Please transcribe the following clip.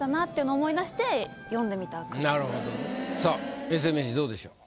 さあ永世名人どうでしょう？